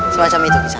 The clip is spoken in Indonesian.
semacam itu ke sana